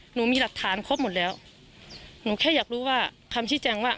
หนูมีหลักฐานครบหมดแล้วหนูแค่อยากรู้ว่าคำชี้แจงว่า